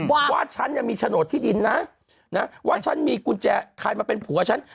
อืมว่าว่าฉันจะมีโฉดที่ดินนะนะว่าฉันมีกุญแจคลายมาเป็นผัวฉัน